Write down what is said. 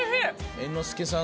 猿之助さん